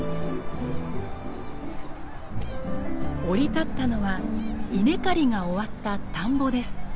降り立ったのは稲刈りが終わった田んぼです。